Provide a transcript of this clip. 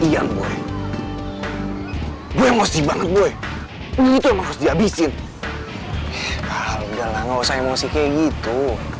iya gue gue mau sih banget gue itu harus dihabisin kalau nggak usah emosi kayak gitu